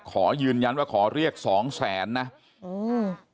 ขอยืนยันว่าขอเรียกสองแสนนะอืม